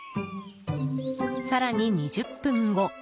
更に２０分後。